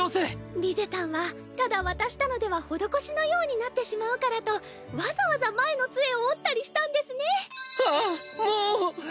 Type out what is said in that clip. リゼたんはただ渡したのでは施しのようになってしまうからとわざわざ前の杖を折ったりしたんですね。